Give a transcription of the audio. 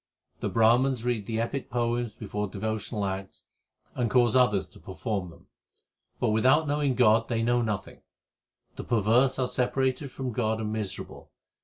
The Brahmans read the epic poems before devotional acts, and cause others to perform them ; But without knowing God they know nothing ; the perverse are separated from God and miserable.